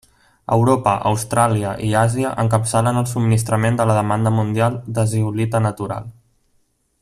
Europa, Austràlia i Àsia encapçalen el subministrament de la demanda mundial de zeolita natural.